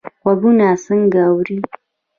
غوږونه څنګه اوري؟